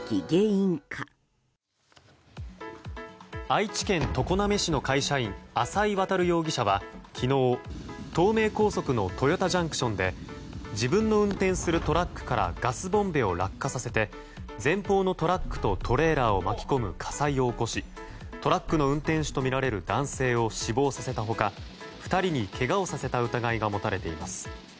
愛知県常滑市の会社員浅井渉容疑者は昨日、東名高速の豊田ＪＣＴで自分の運転するトラックからガスボンベを落下させて前方のトラックとトレーラーを巻き込む火災を起こしトラックの運転手とみられる男性を死亡させた他２人にけがをさせた疑いが持たれています。